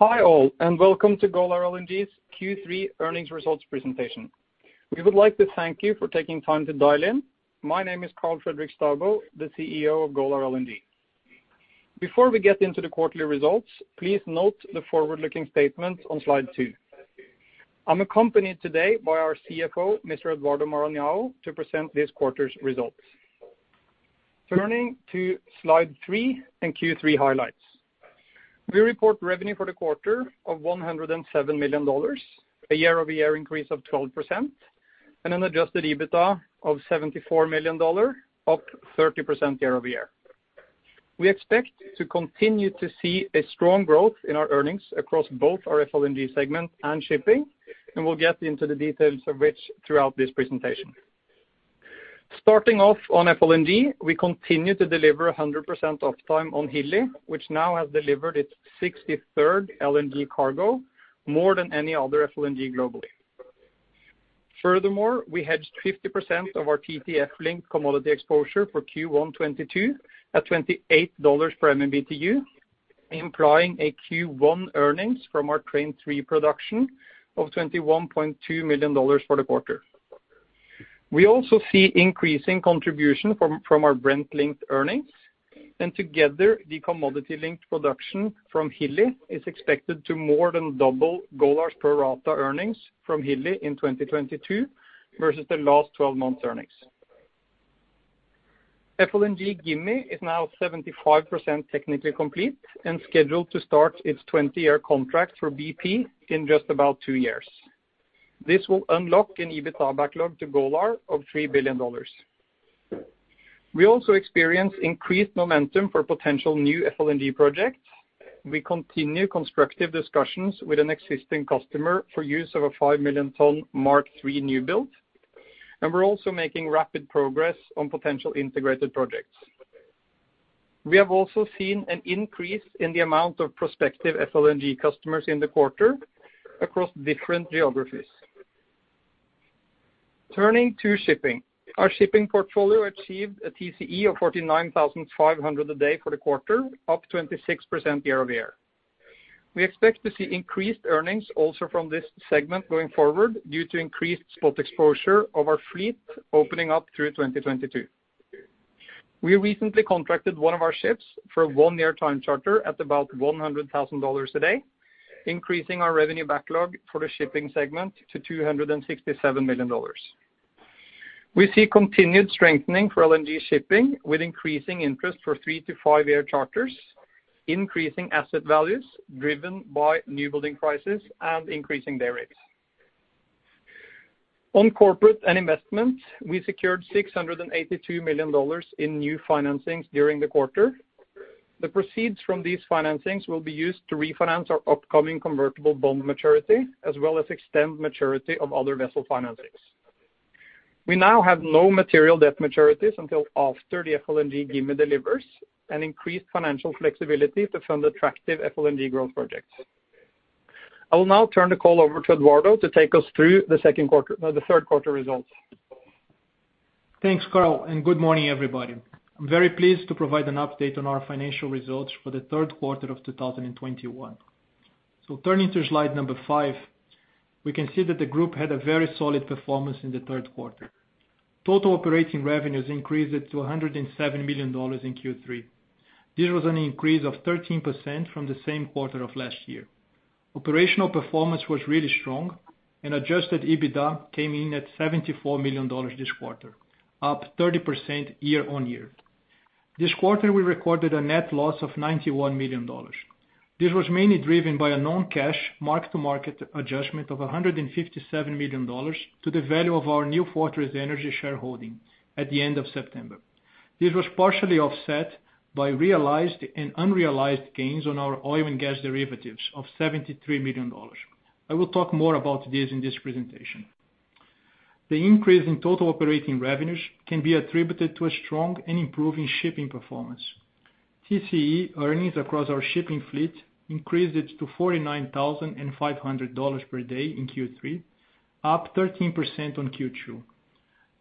Hi all, and welcome to Golar LNG's Q3 earnings results presentation. We would like to thank you for taking time to dial in. My name is Karl Fredrik Staubo, the CEO of Golar LNG. Before we get into the quarterly results, please note the forward-looking statement on slide two. I'm accompanied today by our CFO, Mr. Eduardo Maranhão, to present this quarter's results. Turning to slide three and Q3 highlights. We report revenue for the quarter of $107 million, a year-over-year increase of 12%, and an adjusted EBITDA of $74 million, up 30% year-over-year. We expect to continue to see a strong growth in our earnings across both our FLNG segment and shipping, and we'll get into the details of which throughout this presentation. Starting off on FLNG, we continue to deliver 100% uptime on Hilli, which now has delivered its 63rd LNG cargo, more than any other FLNG globally. Furthermore, we hedged 50% of our TTF-linked commodity exposure for Q1 2022 at $28 per MMBtu, implying Q1 earnings from our Train 3 production of $21.2 million for the quarter. We also see increasing contribution from our Brent-linked earnings. Together, the commodity-linked production from Hilli is expected to more than double Golar's pro rata earnings from Hilli in 2022 versus the last 12 months' earnings. FLNG Gimi is now 75% technically complete and scheduled to start its 20-year contract for BP in just about two years. This will unlock an EBITDA backlog to Golar of $3 billion. We also experienced increased momentum for potential new FLNG projects. We continue constructive discussions with an existing customer for use of a 5 million ton Mark III new build, and we're also making rapid progress on potential integrated projects. We have also seen an increase in the amount of prospective FLNG customers in the quarter across different geographies. Turning to shipping. Our shipping portfolio achieved a TCE of $49,500 a day for the quarter, up 26% year-over-year. We expect to see increased earnings also from this segment going forward due to increased spot exposure of our fleet opening up through 2022. We recently contracted one of our ships for a one-year time charter at about $100,000 a day, increasing our revenue backlog for the shipping segment to $267 million. We see continued strengthening for LNG shipping, with increasing interest for three to five-year charters, increasing asset values driven by new building prices and increasing day rates. On corporate and investment, we secured $682 million in new financings during the quarter. The proceeds from these financings will be used to refinance our upcoming convertible bond maturity, as well as extend maturity of other vessel financings. We now have no material debt maturities until after the FLNG Gimi delivers, an increased financial flexibility to fund attractive FLNG growth projects. I will now turn the call over to Eduardo to take us through the third quarter results. Thanks, Karl, and good morning, everybody. I'm very pleased to provide an update on our financial results for the third quarter of 2021. Turning to slide number five, we can see that the group had a very solid performance in the third quarter. Total operating revenues increased to $107 million in Q3. This was an increase of 13% from the same quarter of last year. Operational performance was really strong, and adjusted EBITDA came in at $74 million this quarter, up 30% year-on-year. This quarter, we recorded a net loss of $91 million. This was mainly driven by a non-cash mark-to-market adjustment of $157 million to the value of our New Fortress Energy shareholding at the end of September. This was partially offset by realized and unrealized gains on our oil and gas derivatives of $73 million. I will talk more about this in this presentation. The increase in total operating revenues can be attributed to a strong and improving shipping performance. TCE earnings across our shipping fleet increased it to $49,500 per day in Q3, up 13% on Q2,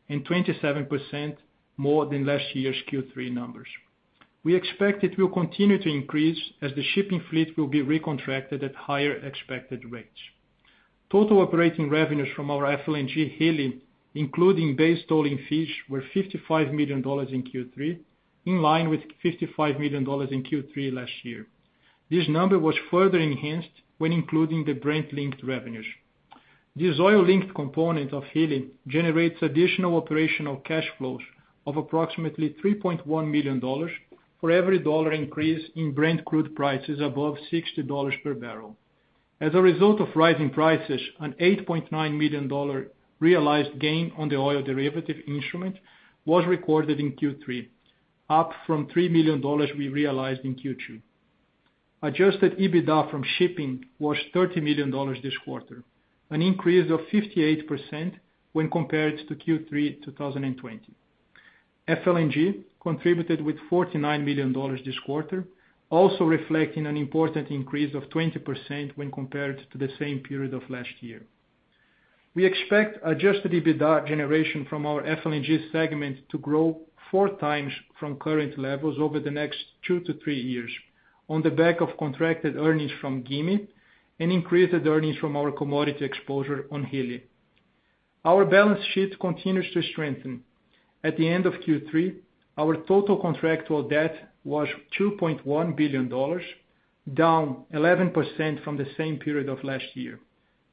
and 27% more than last year's Q3 numbers. We expect it will continue to increase as the shipping fleet will be recontracted at higher expected rates. Total operating revenues from our FLNG Hilli, including base tolling fees, were $55 million in Q3, in line with $55 million in Q3 last year. This number was further enhanced when including the Brent-linked revenues. This oil-linked component of Hilli generates additional operational cash flows of approximately $3.1 million for every dollar increase in Brent crude prices above $60 per barrel. As a result of rising prices, an $8.9 million realized gain on the oil derivative instrument was recorded in Q3, up from $3 million we realized in Q2. Adjusted EBITDA from shipping was $30 million this quarter, an increase of 58% when compared to Q3 2020. FLNG contributed $49 million this quarter, also reflecting an important increase of 20% when compared to the same period of last year. We expect adjusted EBITDA generation from our FLNG segment to grow 4x from current levels over the next two to three years on the back of contracted earnings from Gimi and increased earnings from our commodity exposure on Hilli. Our balance sheet continues to strengthen. At the end of Q3, our total contractual debt was $2.1 billion, down 11% from the same period of last year.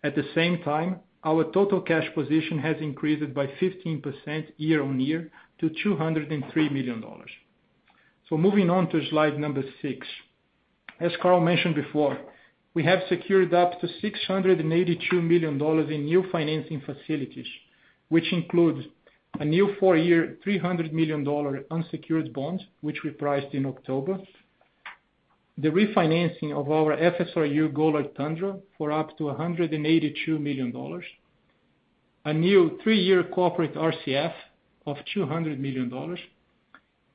At the same time, our total cash position has increased by 15% year-on-year to $203 million. Moving on to slide six. As Karl mentioned before, we have secured up to $682 million in new financing facilities, which includes a new four-year, $300 million unsecured bond, which we priced in October, the refinancing of our FSRU Golar Tundra for up to $182 million, a new three-year corporate RCF of $200 million,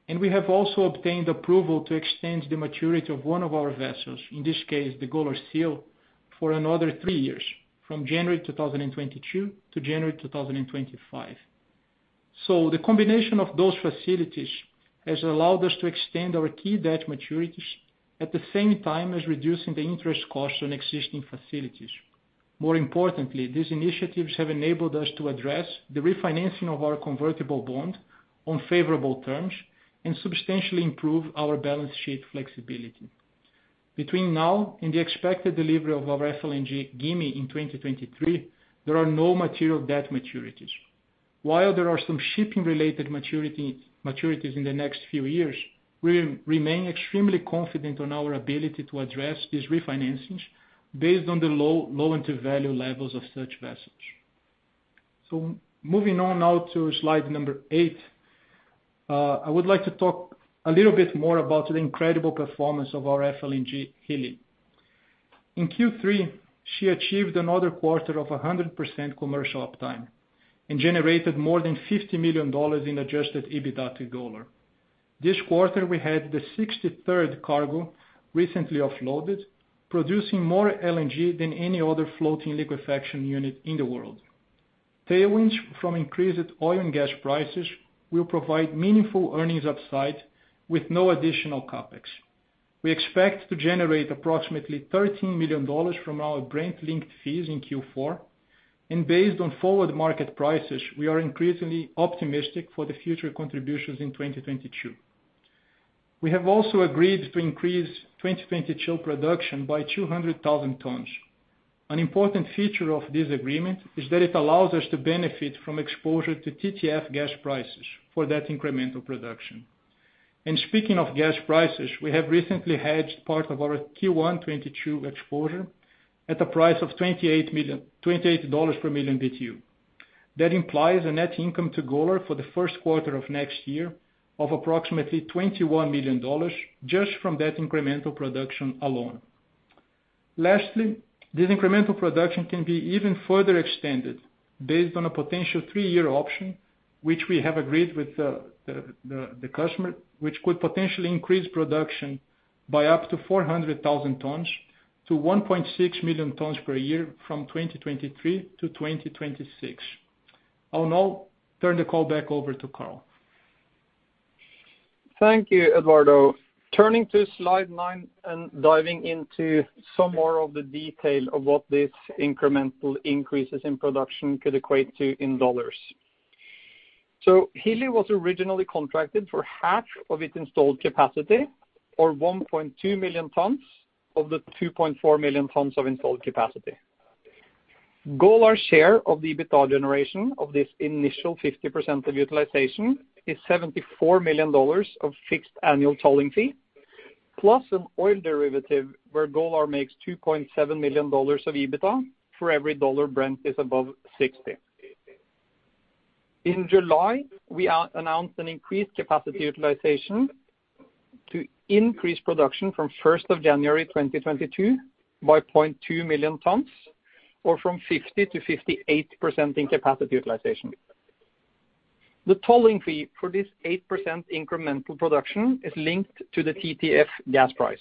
and we have also obtained approval to extend the maturity of one of our vessels, in this case, the Golar Seal, for another three years, from January 2022 to January 2025. The combination of those facilities has allowed us to extend our key debt maturities at the same time as reducing the interest costs on existing facilities. More importantly, these initiatives have enabled us to address the refinancing of our convertible bond on favorable terms and substantially improve our balance sheet flexibility. Between now and the expected delivery of our FLNG Gimi in 2023, there are no material debt maturities. While there are some shipping-related maturities in the next few years, we remain extremely confident on our ability to address these refinancings based on the low LTV levels of such vessels. Moving on now to slide eight, I would like to talk a little bit more about the incredible performance of our FLNG Hilli. In Q3, she achieved another quarter of 100% commercial uptime and generated more than $50 million in adjusted EBITDA to Golar. This quarter, we had the 63rd cargo recently offloaded, producing more LNG than any other floating liquefaction unit in the world. Tailwinds from increased oil and gas prices will provide meaningful earnings upside with no additional CapEx. We expect to generate approximately $13 million from our Brent linked fees in Q4, and based on forward market prices, we are increasingly optimistic for the future contributions in 2022. We have also agreed to increase 2022 production by 200,000 tons. An important feature of this agreement is that it allows us to benefit from exposure to TTF gas prices for that incremental production. Speaking of gas prices, we have recently hedged part of our Q1 2022 exposure at a price of $28 per MMBtu. That implies a net income to Golar for the first quarter of next year of approximately $21 million just from that incremental production alone. Lastly, this incremental production can be even further extended based on a potential three-year option, which we have agreed with the customer, which could potentially increase production by up to 400,000 tons to 1.6 million tons per year from 2023 to 2026. I'll now turn the call back over to Karl. Thank you, Eduardo. Turning to slide nine and diving into some more of the detail of what this incremental increases in production could equate to in dollars. Hilli was originally contracted for half of its installed capacity or 1.2 million tons of the 2.4 million tons of installed capacity. Golar share of the EBITDA generation of this initial 50% of utilization is $74 million of fixed annual tolling fee, plus an oil derivative where Golar makes $2.7 million of EBITDA for every $1 Brent is above $60. In July, we announced an increased capacity utilization to increase production from 1st January 2022 by 0.2 million tons or from 50%-58% in capacity utilization. The tolling fee for this 8% incremental production is linked to the TTF gas price.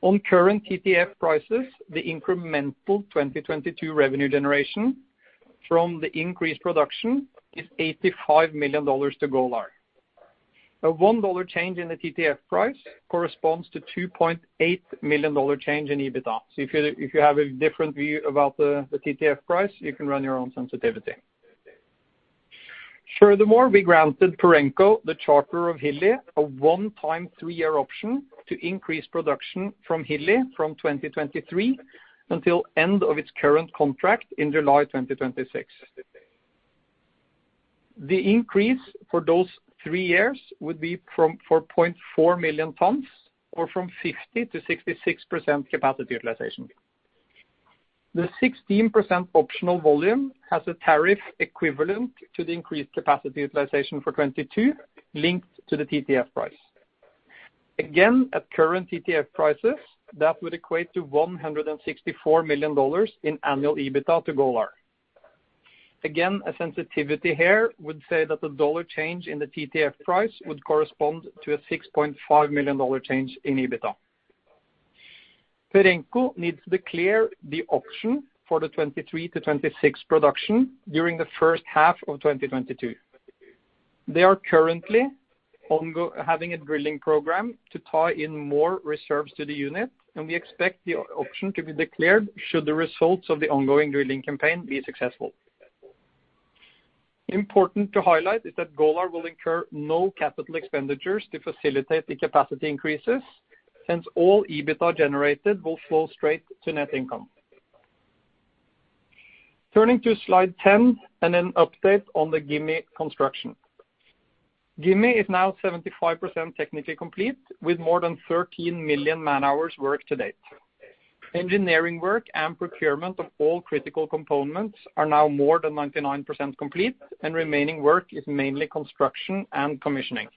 On current TTF prices, the incremental 2022 revenue generation from the increased production is $85 million to Golar. A $1 change in the TTF price corresponds to $2.8 million change in EBITDA. If you have a different view about the TTF price, you can run your own sensitivity. Furthermore, we granted Perenco, the charterer of Hilli, a one-time three-year option to increase production from Hilli from 2023 until end of its current contract in July 2026. The increase for those three years would be from 4.4 million tons or from 50%-66% capacity utilization. The 16% optional volume has a tariff equivalent to the increased capacity utilization for 2022 linked to the TTF price. At current TTF prices, that would equate to $164 million in annual EBITDA to Golar. A sensitivity here would say that a dollar change in the TTF price would correspond to a $6.5 million change in EBITDA. Perenco needs to declare the option for the 23-26 production during the first half of 2022. They are currently undergoing a drilling program to tie in more reserves to the unit, and we expect the option to be declared should the results of the ongoing drilling campaign be successful. Important to highlight is that Golar will incur no capital expenditures to facilitate the capacity increases, hence all EBITDA generated will flow straight to net income. Turning to slide 10 and an update on the Gimi construction. Gimi is now 75% technically complete, with more than 13 million man-hours worked to date. Engineering work and procurement of all critical components are now more than 99% complete, and remaining work is mainly construction and commissioning.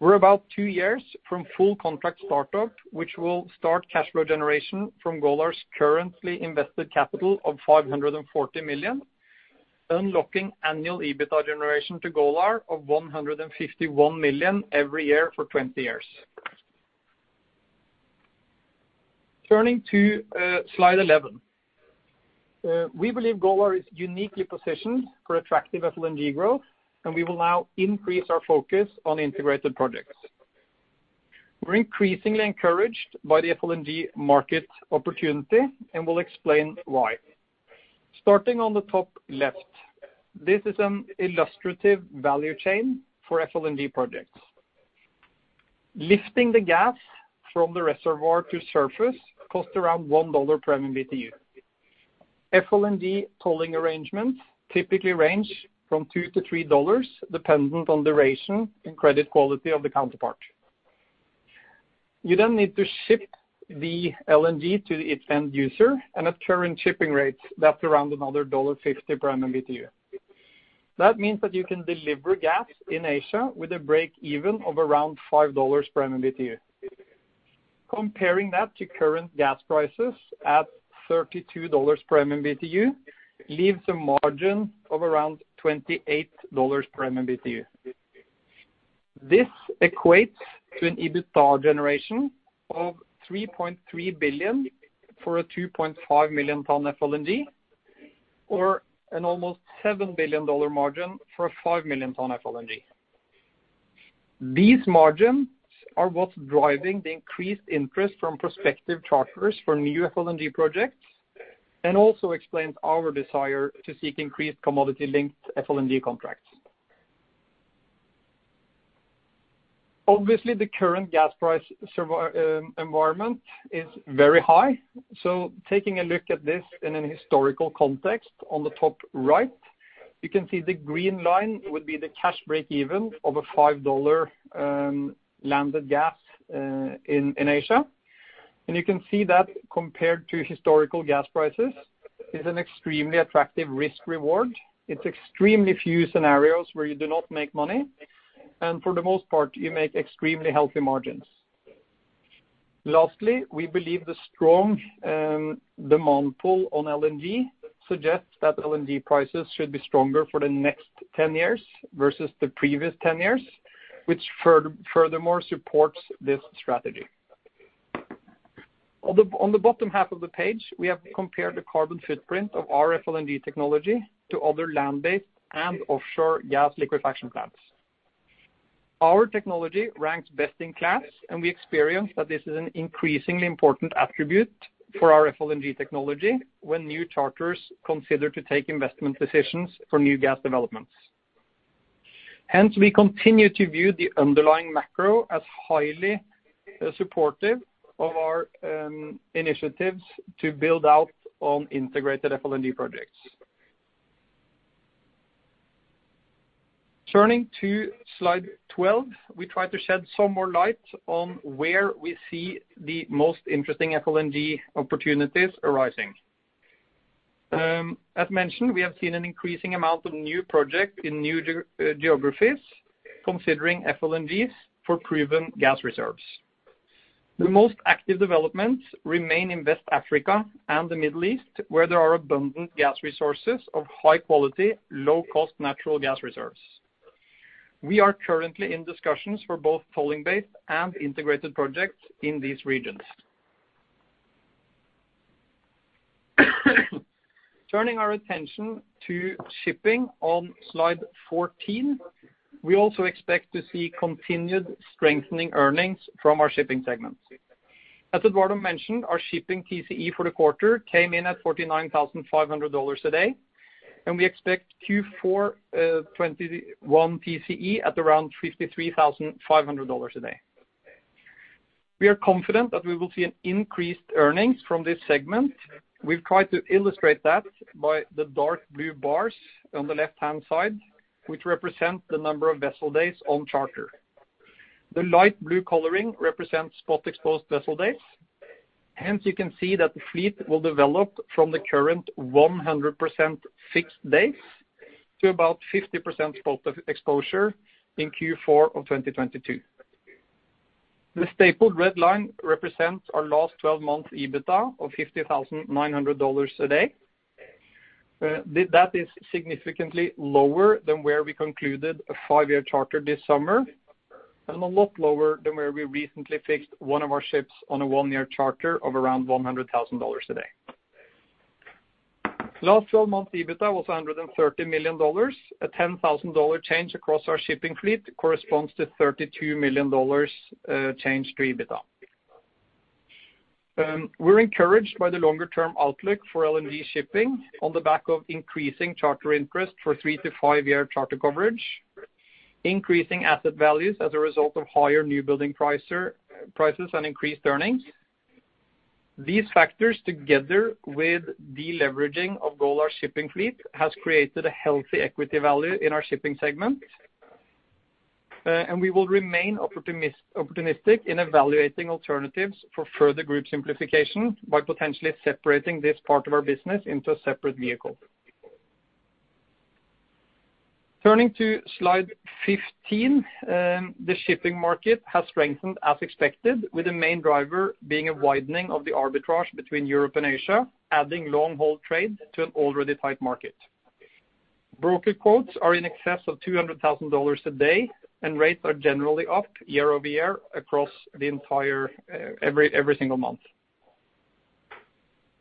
We're about two years from full contract startup, which will start cash flow generation from Golar's currently invested capital of $540 million, unlocking annual EBITDA generation to Golar of $151 million every year for 20 years. Turning to slide 11. We believe Golar is uniquely positioned for attractive FLNG growth, and we will now increase our focus on integrated projects. We're increasingly encouraged by the FLNG market opportunity, and we'll explain why. Starting on the top left, this is an illustrative value chain for FLNG projects. Lifting the gas from the reservoir to surface costs around $1 per MMBtu. FLNG tolling arrangements typically range from $2 to $3, dependent on duration and credit quality of the counterpart. You then need to ship the LNG to its end user, and at current shipping rates, that's around another $1.50 per MMBtu. That means that you can deliver gas in Asia with a break-even of around $5 per MMBtu. Comparing that to current gas prices at $32 per MMBtu leaves a margin of around $28 per MMBtu. This equates to an EBITDA generation of $3.3 billion for a 2.5 million ton FLNG, or an almost $7 billion margin for a 5 million ton FLNG. These margins are what's driving the increased interest from prospective charters for new FLNG projects, and also explains our desire to seek increased commodity-linked FLNG contracts. Obviously, the current gas price environment is very high. Taking a look at this in a historical context, on the top right, you can see the green line would be the cash break even of a $5 landed gas in Asia. You can see that compared to historical gas prices is an extremely attractive risk reward. It's extremely few scenarios where you do not make money, and for the most part, you make extremely healthy margins. Lastly, we believe the strong demand pull on LNG suggests that LNG prices should be stronger for the next 10 years versus the previous 10 years, which furthermore supports this strategy. On the bottom half of the page, we have compared the carbon footprint of our FLNG technology to other land-based and offshore gas liquefaction plants. Our technology ranks best in class, and we experience that this is an increasingly important attribute for our FLNG technology when new charters consider to take investment decisions for new gas developments. Hence, we continue to view the underlying macro as highly supportive of our initiatives to build out on integrated FLNG projects. Turning to slide 12. We try to shed some more light on where we see the most interesting FLNG opportunities arising. As mentioned, we have seen an increasing amount of new projects in new geographies considering FLNGs for proven gas reserves. The most active developments remain in West Africa and the Middle East, where there are abundant gas resources of high quality, low-cost natural gas reserves. We are currently in discussions for both tolling-based and integrated projects in these regions. Turning our attention to shipping on slide 14. We also expect to see continued strengthening earnings from our shipping segments. As Eduardo mentioned, our shipping TCE for the quarter came in at $49,000 a day, and we expect Q4 2021 TCE at around $53,000 a day. We are confident that we will see an increased earnings from this segment. We've tried to illustrate that by the dark blue bars on the left-hand side, which represent the number of vessel days on charter. The light blue coloring represents spot-exposed vessel days. Hence, you can see that the fleet will develop from the current 100% fixed days to about 50% spot exposure in Q4 of 2022. The stapled red line represents our last 12 months EBITDA of $59,000 a day. That is significantly lower than where we concluded a five-year charter this summer, and a lot lower than where we recently fixed one of our ships on a one-year charter of around $100,000 a day. Last 12 months, EBITDA was $130 million. A $10,000 change across our shipping fleet corresponds to $32 million change to EBITDA. We're encouraged by the longer-term outlook for LNG shipping on the back of increasing charter interest for three to five-year charter coverage, increasing asset values as a result of higher newbuilding prices and increased earnings. These factors together with deleveraging of Golar shipping fleet has created a healthy equity value in our shipping segment. We will remain opportunistic in evaluating alternatives for further group simplification by potentially separating this part of our business into a separate vehicle. Turning to slide 15, the shipping market has strengthened as expected, with the main driver being a widening of the arbitrage between Europe and Asia, adding long-haul trade to an already tight market. Broker quotes are in excess of $200,000 a day, and rates are generally up year-over-year across the entire every single month.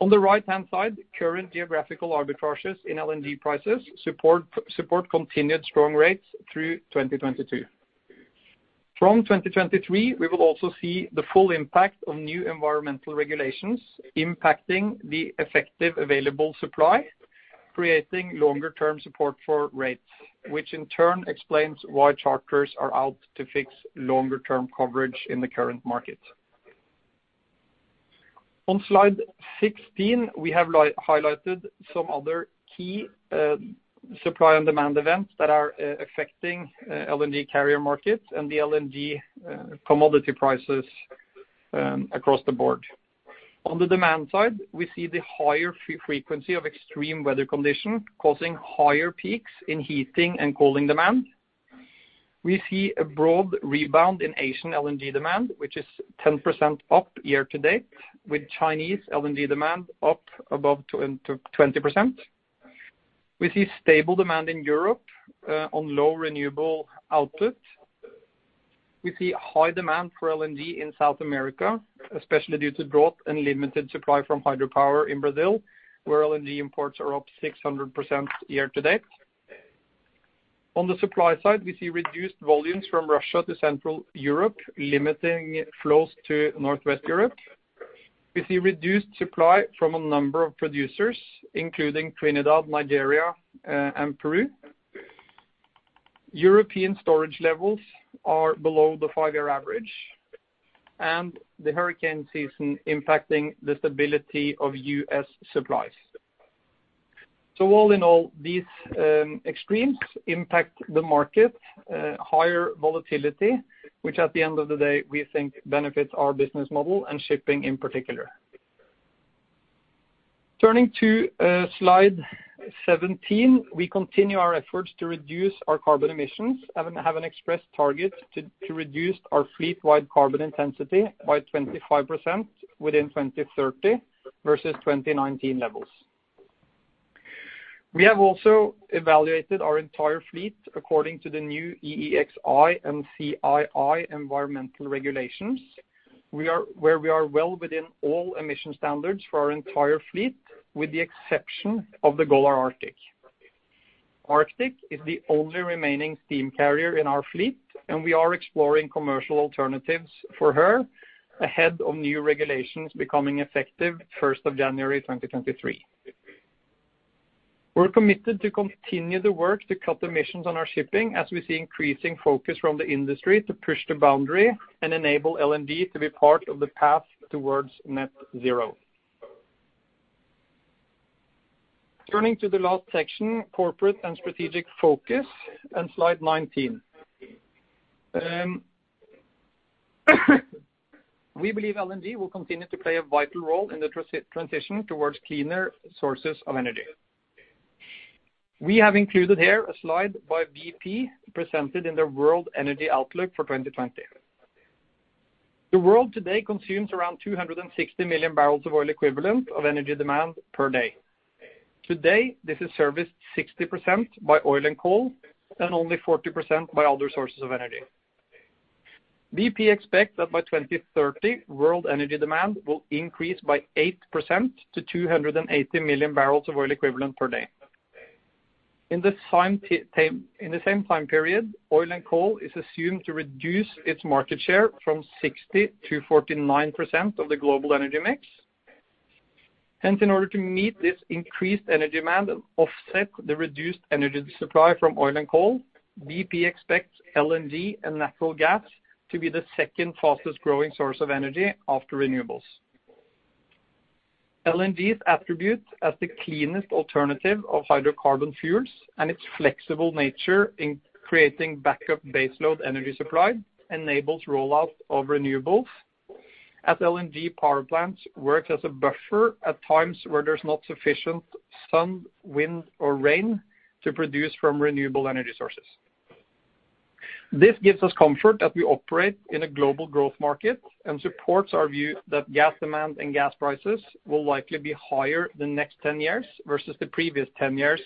On the right-hand side, current geographical arbitrages in LNG prices support continued strong rates through 2022. From 2023, we will also see the full impact of new environmental regulations impacting the effective available supply, creating longer-term support for rates, which in turn explains why charters are out to fix longer-term coverage in the current market. On slide 16, we have highlighted some other key supply and demand events that are affecting LNG carrier markets and the LNG commodity prices across the board. On the demand side, we see the higher frequency of extreme weather conditions causing higher peaks in heating and cooling demand. We see a broad rebound in Asian LNG demand, which is 10% up year to date, with Chinese LNG demand up above 20%. We see stable demand in Europe on low renewable output. We see high demand for LNG in South America, especially due to drought and limited supply from hydropower in Brazil, where LNG imports are up 600% year to date. On the supply side, we see reduced volumes from Russia to Central Europe, limiting flows to Northwest Europe. We see reduced supply from a number of producers, including Trinidad, Nigeria, and Peru. European storage levels are below the five-year average, and the hurricane season impacting the stability of U.S. supplies. All in all, these extremes impact the market, higher volatility, which at the end of the day, we think benefits our business model and shipping in particular. Turning to slide 17, we continue our efforts to reduce our carbon emissions and have an expressed target to reduce our fleet-wide carbon intensity by 25% within 2030 versus 2019 levels. We have also evaluated our entire fleet according to the new EEXI and CII environmental regulations. We are well within all emission standards for our entire fleet, with the exception of the Golar Arctic. Arctic is the only remaining steam carrier in our fleet, and we are exploring commercial alternatives for her ahead of new regulations becoming effective 1st of January 2023. We're committed to continue the work to cut emissions on our shipping as we see increasing focus from the industry to push the boundary and enable LNG to be part of the path towards net zero. Turning to the last section, corporate and strategic focus on slide 19. We believe LNG will continue to play a vital role in the transition towards cleaner sources of energy. We have included here a slide by BP presented in their Energy Outlook for 2020. The world today consumes around 260 million barrels of oil equivalent of energy demand per day. Today, this is serviced 60% by oil and coal and only 40% by other sources of energy. BP expects that by 2030, world energy demand will increase by 8% to 280 million barrels of oil equivalent per day. In the same time period, oil and coal is assumed to reduce its market share from 60%-49% of the global energy mix. Hence, in order to meet this increased energy demand and offset the reduced energy supply from oil and coal, BP expects LNG and natural gas to be the second fastest growing source of energy after renewables. LNG's attribute as the cleanest alternative of hydrocarbon fuels and its flexible nature in creating backup baseload energy supply enables rollout of renewables as LNG power plants work as a buffer at times where there's not sufficient sun, wind or rain to produce from renewable energy sources. This gives us comfort that we operate in a global growth market and supports our view that gas demand and gas prices will likely be higher the next 10 years versus the previous 10 years,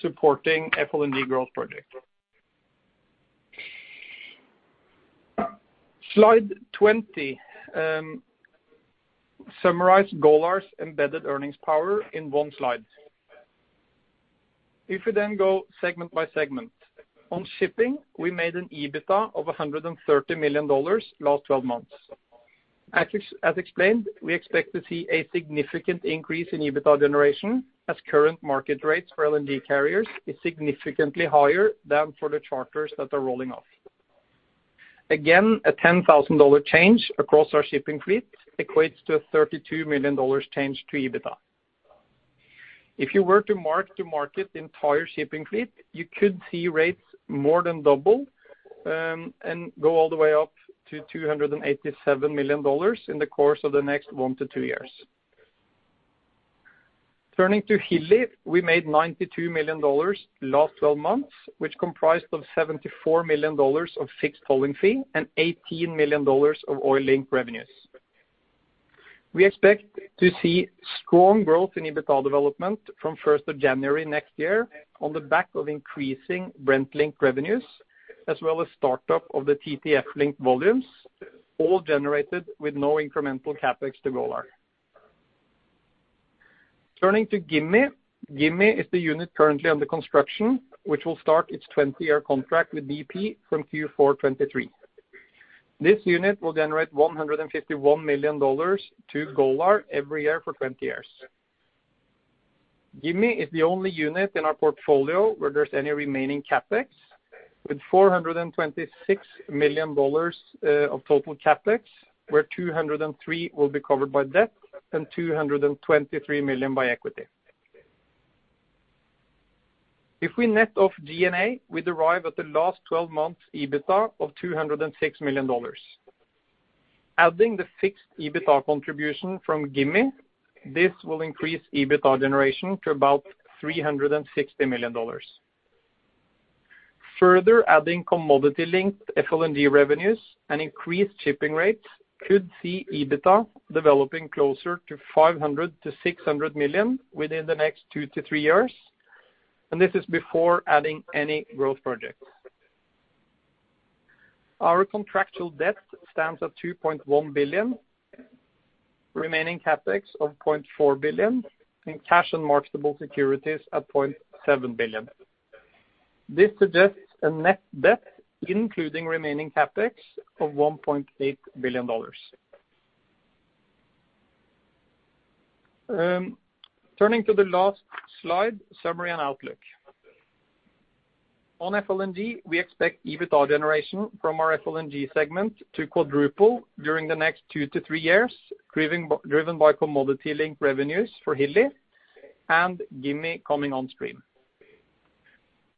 supporting FLNG growth project. Slide 20, summarize Golar's embedded earnings power in one slide. If we then go segment by segment. On shipping, we made an EBITDA of $130 million last 12 months. As explained, we expect to see a significant increase in EBITDA generation as current market rates for LNG carriers is significantly higher than for the charters that are rolling off. Again, a $10,000 change across our shipping fleet equates to a $32 million change to EBITDA. If you were to mark-to-market the entire shipping fleet, you could see rates more than double and go all the way up to $287 million in the course of the next one to two years. Turning to Hilli, we made $92 million last 12 months, which comprised of $74 million of fixed tolling fee and $18 million of oil-linked revenues. We expect to see strong growth in EBITDA development from first of January next year on the back of increasing Brent linked revenues as well as startup of the TTF linked volumes, all generated with no incremental CapEx to Golar. Turning to Gimi. Gimi is the unit currently under construction, which will start its 20-year contract with BP from Q4 2023. This unit will generate $151 million to Golar every year for 20 years. Gimi is the only unit in our portfolio where there's any remaining CapEx, with $426 million of total CapEx, where $203 million will be covered by debt and $223 million by equity. If we net off D&A, we derive at the last 12 months EBITDA of $206 million. Adding the fixed EBITDA contribution from Gimi, this will increase EBITDA generation to about $360 million. Further adding commodity-linked FLNG revenues and increased shipping rates could see EBITDA developing closer to $500 million-$600 million within the next two to three years. This is before adding any growth projects. Our contractual debt stands at $2.1 billion, remaining CapEx of $0.4 billion, and cash and marketable securities at $0.7 billion. This suggests a net debt, including remaining CapEx of $1.8 billion. Turning to the last slide, summary and outlook. On FLNG, we expect EBITDA generation from our FLNG segment to quadruple during the next two to three years, driven by commodity-linked revenues for Hilli and Gimi coming on stream.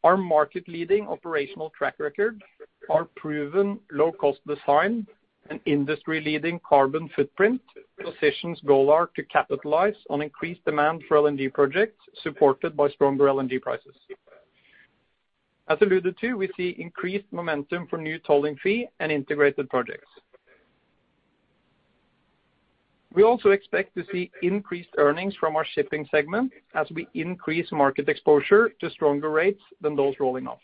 Our market-leading operational track record, our proven low cost design and industry-leading carbon footprint positions Golar to capitalize on increased demand for LNG projects supported by stronger LNG prices. As alluded to, we see increased momentum for new tolling fee and integrated projects. We also expect to see increased earnings from our shipping segment as we increase market exposure to stronger rates than those rolling off.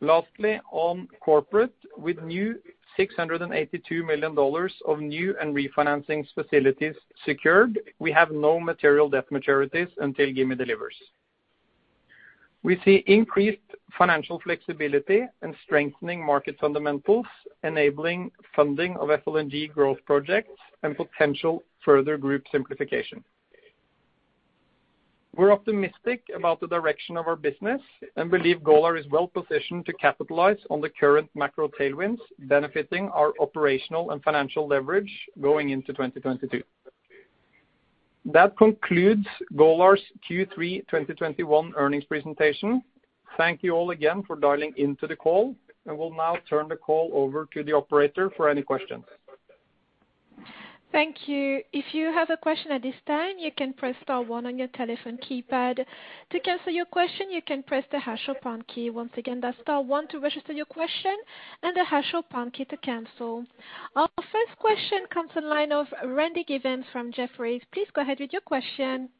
Lastly, on corporate, with new $682 million of new and refinancing facilities secured, we have no material debt maturities until Gimi delivers. We see increased financial flexibility and strengthening market fundamentals enabling funding of FLNG growth projects and potential further group simplification. We're optimistic about the direction of our business and believe Golar is well positioned to capitalize on the current macro tailwinds benefiting our operational and financial leverage going into 2022. That concludes Golar's Q3 2021 earnings presentation. Thank you all again for dialing into the call. I will now turn the call over to the operator for any questions. Thank you. If you have a question at this time, you can press star one on your telephone keypad. To cancel your question, you can press the hash or pound key. Once again, that's star one to register your question and the hash or pound key to cancel. Our first question comes to the line of Randy Giveans from Jefferies. Please go ahead with your question.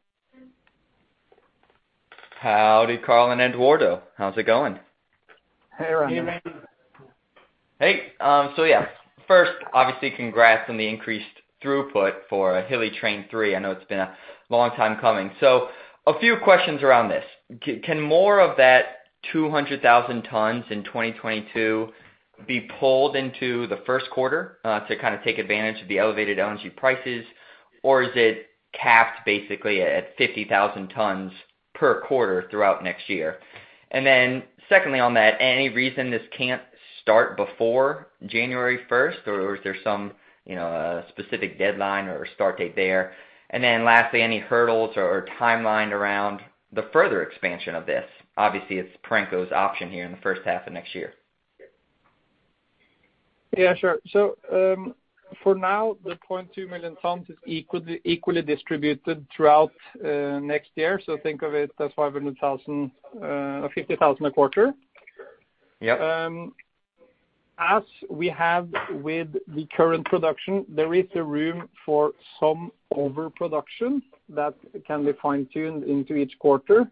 Howdy, Karl and Eduardo. How's it going? Hey, Randy. Hey, man. Hey, yeah, first, obviously congrats on the increased throughput for Hilli Train 3. I know it's been a long time coming. A few questions around this. Can more of that 200,000 tons in 2022 be pulled into the first quarter to kinda take advantage of the elevated LNG prices? Or is it capped basically at 50,000 tons per quarter throughout next year? Then secondly on that, any reason this can't start before January 1st, or is there some, you know, specific deadline or start date there? Then lastly, any hurdles or timeline around the further expansion of this? Obviously, it's Perenco's option here in the first half of next year. Yeah, sure. For now, the 0.2 million tons is equally distributed throughout next year. Think of it as 500,000 or 50,000 a quarter. Yeah. As we have with the current production, there is a room for some overproduction that can be fine-tuned into each quarter.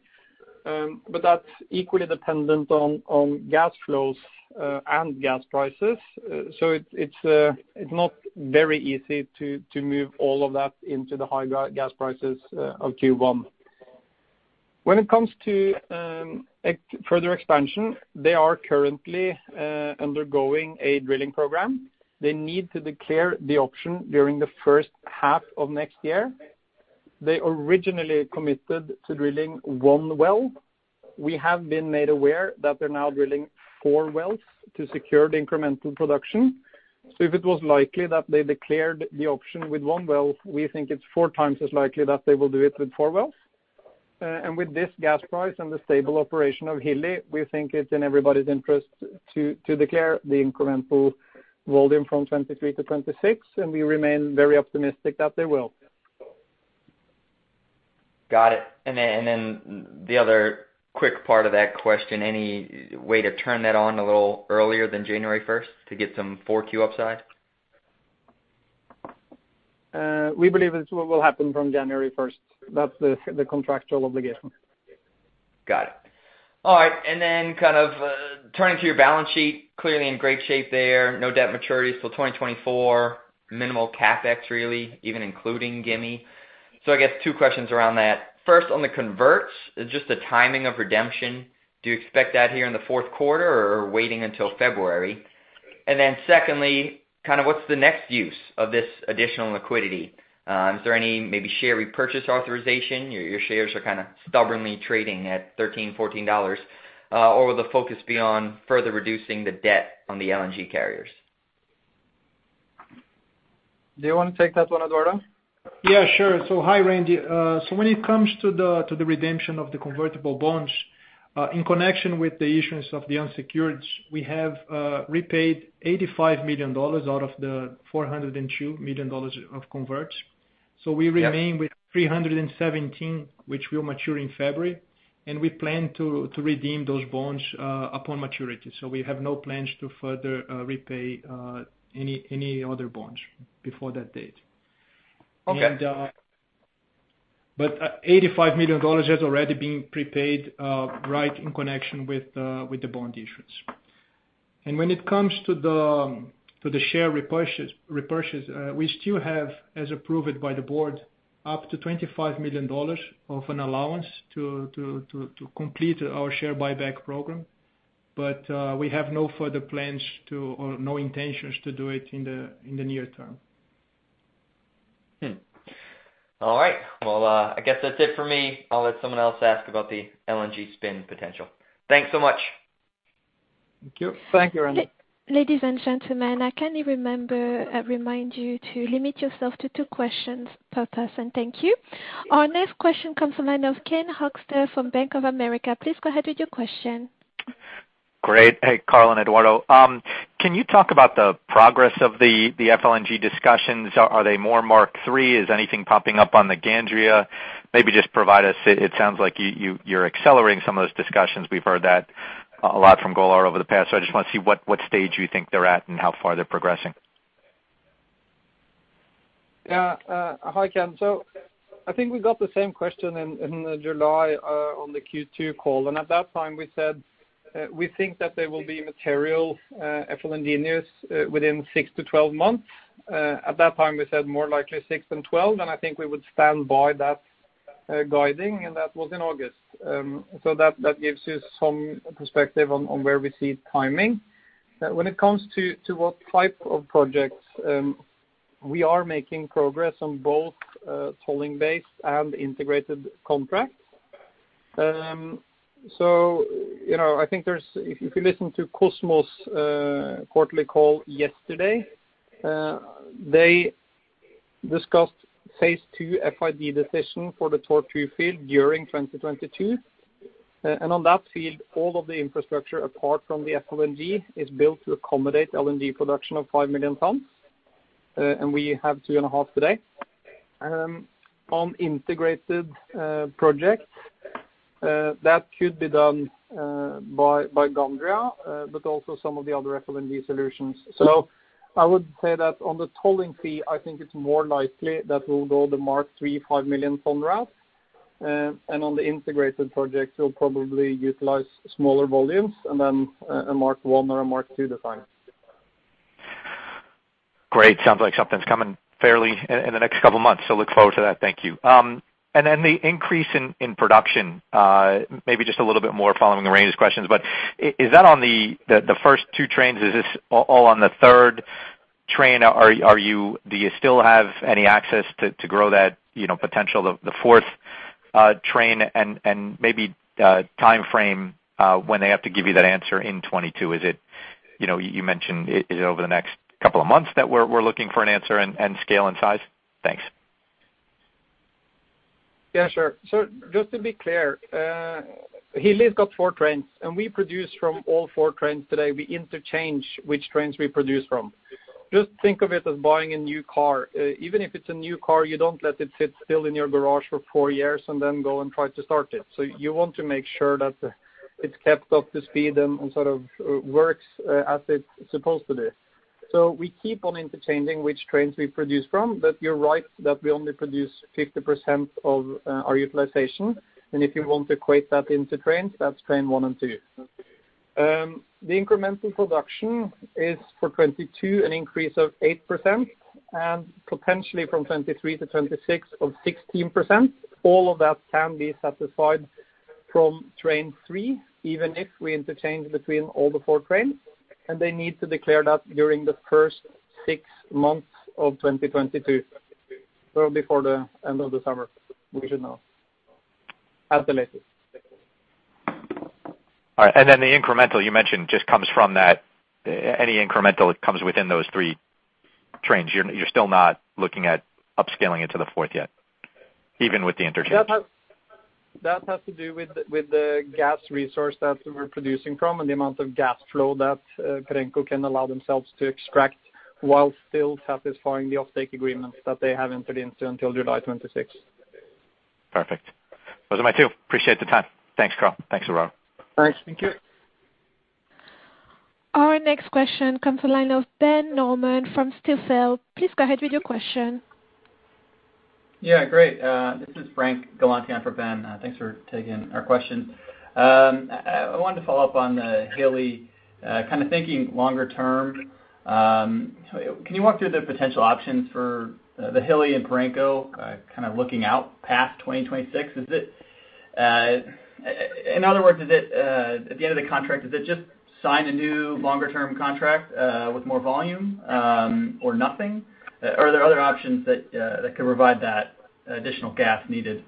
That's equally dependent on gas flows and gas prices. It's not very easy to move all of that into the high gas prices of Q1. When it comes to further expansion, they are currently undergoing a drilling program. They need to declare the option during the first half of next year. They originally committed to drilling one well. We have been made aware that they're now drilling four wells to secure the incremental production. If it was likely that they declared the option with one well, we think it's four times as likely that they will do it with four wells. With this gas price and the stable operation of Hilli, we think it's in everybody's interest to declare the incremental volume from 2023 to 2026, and we remain very optimistic that they will. Got it. The other quick part of that question, any way to turn that on a little earlier than January 1st to get some 4Q upside? We believe it's what will happen from January 1st. That's the contractual obligation. Got it. All right. Kind of turning to your balance sheet, clearly in great shape there. No debt maturities till 2024. Minimal CapEx really, even including Gimi. I guess two questions around that. First on the converts, just the timing of redemption. Do you expect that here in the fourth quarter or waiting until February? Secondly, kind of what's the next use of this additional liquidity? Is there any maybe share repurchase authorization? Your shares are kind of stubbornly trading at $13-$14. Or will the focus be on further reducing the debt on the LNG carriers? Do you want to take that one, Eduardo? Hi, Randy. When it comes to the redemption of the convertible bonds, in connection with the issuance of the unsecured, we have repaid $85 million out of the $402 million of converts. We remain- Yeah. With $317, which will mature in February, and we plan to redeem those bonds upon maturity. We have no plans to further repay any other bonds before that date. Okay. $85 million has already been prepaid right in connection with the bond issuance. When it comes to the share repurchase, we still have, as approved by the board, up to $25 million of an allowance to complete our share buyback program. We have no further plans to or no intentions to do it in the near term. All right. Well, I guess that's it for me. I'll let someone else ask about the LNG spin potential. Thanks so much. Thank you. Thank you, Randy. Ladies and gentlemen, I kindly remind you to limit yourself to two questions per person. Thank you. Our next question comes from the line of Ken Hoexter from Bank of America. Please go ahead with your question. Great. Hey, Karl and Eduardo. Can you talk about the progress of the FLNG discussions? Are they more Mark III? Is anything popping up on the Gandria? Maybe just provide us. It sounds like you're accelerating some of those discussions. We've heard that a lot from Golar over the past. I just want to see what stage you think they're at and how far they're progressing. Yeah, hi, Ken. I think we got the same question in July on the Q2 call. At that time we said we think that there will be material FLNG news within six to 12 months. At that time, we said more likely six than 12, and I think we would stand by that guidance, and that was in August. That gives you some perspective on where we see timing. When it comes to what type of projects, we are making progress on both tolling-based and integrated contracts. You know, I think there's. If you listen to Kosmos quarterly call yesterday, they discussed phase II FID decision for the Tortue field during 2022. On that field, all of the infrastructure, apart from the FLNG, is built to accommodate LNG production of 5 million tons. We have 2.5 today. On integrated projects, that could be done by Gandria, but also some of the other FLNG solutions. I would say that on the tolling fee, I think it's more likely that we'll go the Mark III 5 million ton route. On the integrated projects, we'll probably utilize smaller volumes and then a Mark I or a Mark II design. Great. Sounds like something's coming fairly soon in the next couple of months, so look forward to that. Thank you. The increase in production, maybe just a little bit more following Randy's questions, but is that on the first two trains? Is this all on the third train? Do you still have any access to grow that, you know, potential of the fourth train and maybe timeframe when they have to give you that answer in 2022? You know, you mentioned, is it over the next couple of months that we're looking for an answer and scale and size? Thanks. Yeah, sure. Just to be clear, Hilli's got four trains, and we produce from all four trains today. We interchange which trains we produce from. Just think of it as buying a new car. Even if it's a new car, you don't let it sit still in your garage for four years and then go and try to start it. You want to make sure that it's kept up to speed and sort of works as it's supposed to do. We keep on interchanging which trains we produce from. You're right that we only produce 50% of our utilization. If you want to equate that into trains, that's train one and two. The incremental production is for 2022 an increase of 8%, and potentially from 2023 to 2026 of 16%. All of that can be satisfied from train three, even if we interchange between all the four trains, and they need to declare that during the first six months of 2022. Before the end of the summer, we should know at the latest. All right. The incremental you mentioned just comes from that. Any incremental comes within those three trains. You're still not looking at upscaling it to the fourth yet, even with the interchange. That has to do with the gas resource that we're producing from and the amount of gas flow that Perenco can allow themselves to extract while still satisfying the offtake agreements that they have entered into until July 26. Perfect. Those are my two. Appreciate the time. Thanks, Karl. Thanks, Eduardo. Thanks. Thank you. Our next question comes from the line of Ben Nolan from Stifel. Please go ahead with your question. Yeah, great. This is Frank Galanti in for Ben. Thanks for taking our question. I wanted to follow up on the Hilli, kind of thinking longer term. So can you walk through the potential options for the Hilli and Perenco, kind of looking out past 2026? In other words, is it at the end of the contract, is it just sign a new longer term contract with more volume, or nothing? Are there other options that could provide that additional gas needed?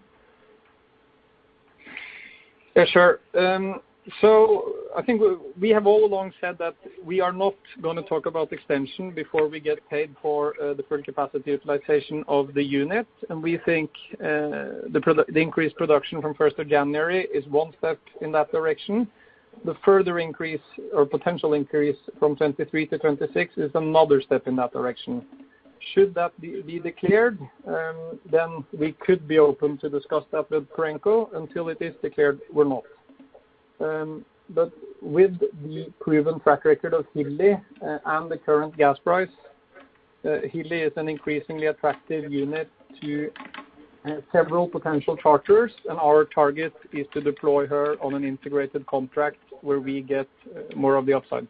Yeah, sure. I think we have all along said that we are not gonna talk about extension before we get paid for the full capacity utilization of the unit. We think the increased production from 1st of January is one step in that direction. The further increase or potential increase from 2023 to 2026 is another step in that direction. Should that be declared, then we could be open to discuss that with Perenco. Until it is declared, we're not. With the proven track record of Hilli and the current gas price, Hilli is an increasingly attractive unit to several potential charters, and our target is to deploy her on an integrated contract where we get more of the upside.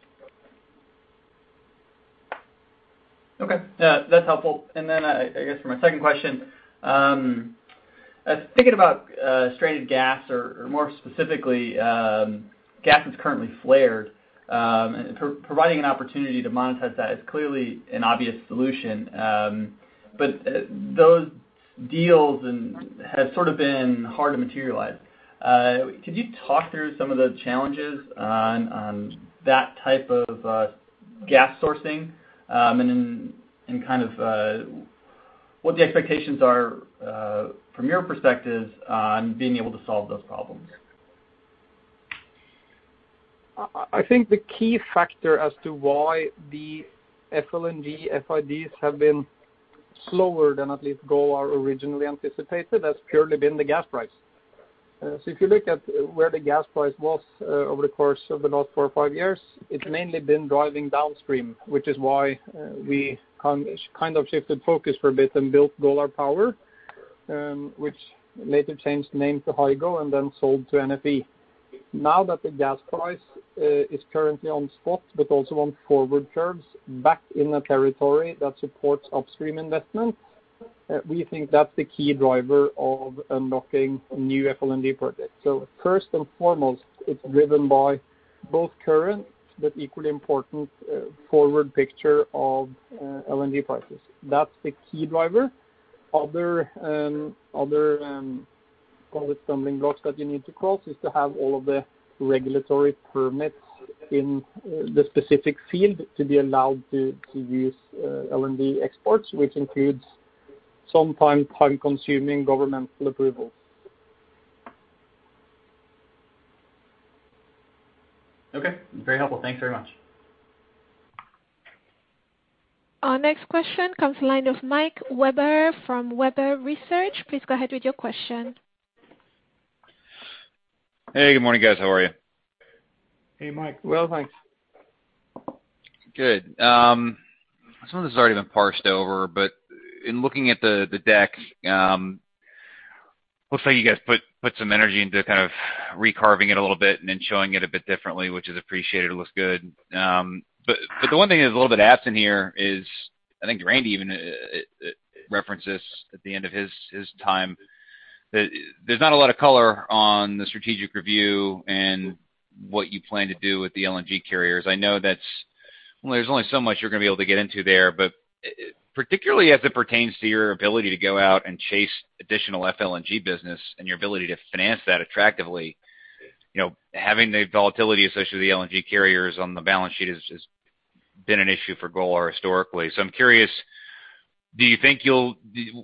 Okay. Yeah, that's helpful. I guess for my second question, thinking about stranded gas or, more specifically, gas that's currently flared, providing an opportunity to monetize that is clearly an obvious solution. Those deals have sort of been hard to materialize. Could you talk through some of the challenges on that type of gas sourcing, and kind of what the expectations are from your perspective on being able to solve those problems? I think the key factor as to why the FLNG FIDs have been slower than at least Golar originally anticipated has purely been the gas price. If you look at where the gas price was over the course of the last four or five years, it's mainly been driving downstream, which is why we kind of shifted focus for a bit and built Golar Power, which later changed name to Hygo and then sold to NFE. Now that the gas price is currently on spot but also on forward curves back in a territory that supports upstream investment, we think that's the key driver of unlocking new FLNG projects. First and foremost, it's driven by both current but equally important forward picture of LNG prices. That's the key driver. Other stumbling blocks that you need to cross is to have all of the regulatory permits in the specific field to be allowed to use LNG exports, which includes sometimes time-consuming governmental approvals. Okay. Very helpful. Thanks very much. Our next question comes from the line of Mike Webber from Webber Research. Please go ahead with your question. Hey, good morning, guys. How are you? Hey, Mike. Well, thanks. Good. Some of this has already been pored over, but in looking at the deck, looks like you guys put some energy into kind of recarving it a little bit and then showing it a bit differently, which is appreciated. It looks good. The one thing that is a little bit absent here is I think Randy even referenced this at the end of his time, that there's not a lot of color on the strategic review and what you plan to do with the LNG carriers. I know that's... Well, there's only so much you're gonna be able to get into there, but particularly as it pertains to your ability to go out and chase additional FLNG business and your ability to finance that attractively, you know, having the volatility associated with LNG carriers on the balance sheet has been an issue for Golar historically. I'm curious, do you think it's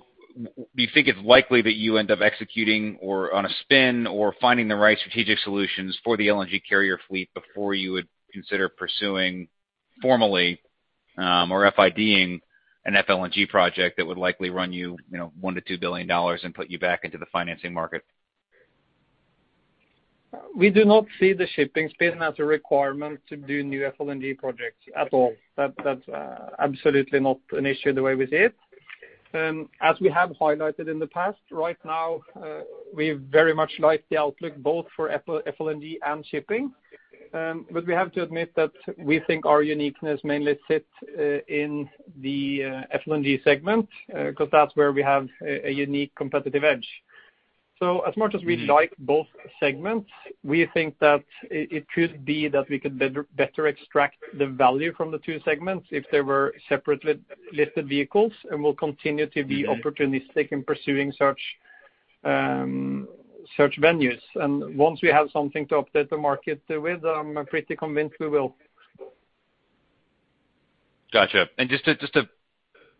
likely that you end up executing or on a spin or finding the right strategic solutions for the LNG carrier fleet before you would consider pursuing formally or FID-ing an FLNG project that would likely run you know, $1 billion-$2 billion and put you back into the financing market? We do not see the shipping spin as a requirement to do new FLNG projects at all. That's absolutely not an issue the way we see it. As we have highlighted in the past, right now, we very much like the outlook both for FLNG and shipping. We have to admit that we think our uniqueness mainly sits in the FLNG segment because that's where we have a unique competitive edge. As much as we like both segments, we think that it could be that we could better extract the value from the two segments if they were separately listed vehicles, and we'll continue to be opportunistic in pursuing such venues. Once we have something to update the market with, I'm pretty convinced we will. Gotcha. Just to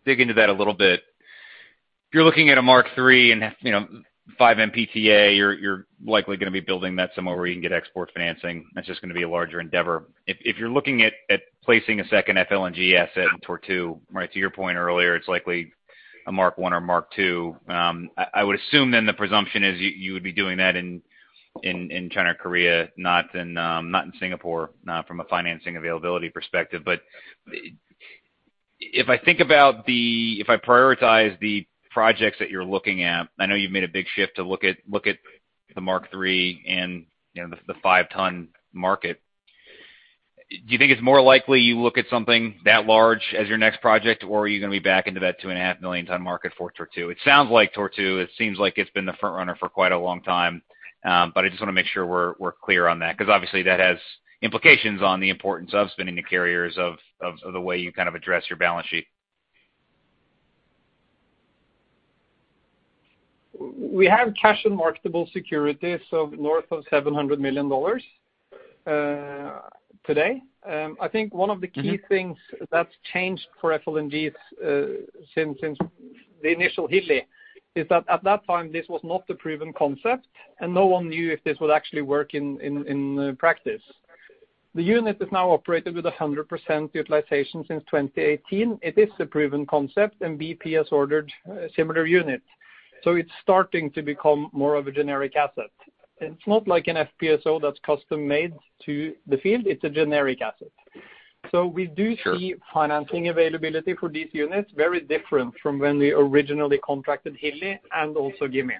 dig into that a little bit, if you're looking at a Mark III and you know, 5 MTPA, you're likely gonna be building that somewhere where you can get export financing. That's just gonna be a larger endeavor. If you're looking at placing a second FLNG asset in Tortue, right to your point earlier, it's likely a MK I or MK II. I would assume then the presumption is you would be doing that in China or Korea, not in Singapore, from a financing availability perspective. If I think about if I prioritize the projects that you're looking at, I know you've made a big shift to look at the Mark III and, you know, the 5-ton market. Do you think it's more likely you look at something that large as your next project, or are you gonna be back into that 2.5 million ton market for Tortue? It sounds like Tortue. It seems like it's been the front runner for quite a long time. I just want to make sure we're clear on that because obviously that has implications on the importance of spinning the carriers of the way you kind of address your balance sheet. We have cash and marketable securities of north of $700 million today. I think one of the key things that's changed for FLNG since the initial Hilli is that at that time, this was not a proven concept, and no one knew if this would actually work in practice. The unit is now operated with 100% utilization since 2018. It is a proven concept, and BP has ordered a similar unit. It's starting to become more of a generic asset. It's not like an FPSO that's custom made to the field, it's a generic asset. We do see financing availability for these units very different from when we originally contracted Hilli and also Gimi.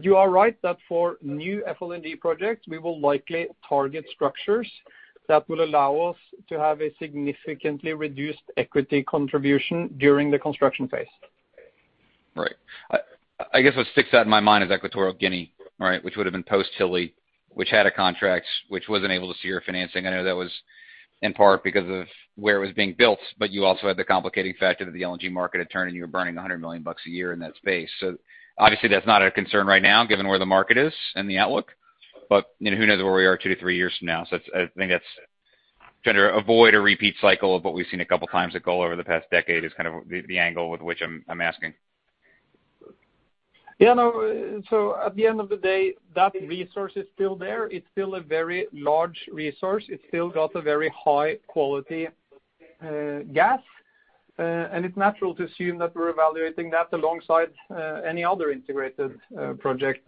You are right that for new FLNG projects, we will likely target structures that will allow us to have a significantly reduced equity contribution during the construction phase. Right. I guess what sticks out in my mind is Equatorial Guinea, right? Which would have been post Hilli, which had a contract, which wasn't able to secure financing. I know that was in part because of where it was being built, but you also had the complicating factor that the LNG market had turned, and you were burning $100 million a year in that space. Obviously, that's not a concern right now, given where the market is and the outlook. You know, who knows where we are two to three years from now. It's, I think that's trying to avoid a repeat cycle of what we've seen a couple times at Golar over the past decade is kind of the angle with which I'm asking. Yeah, no. At the end of the day, that resource is still there. It's still a very large resource. It's still got a very high quality gas. And it's natural to assume that we're evaluating that alongside any other integrated project.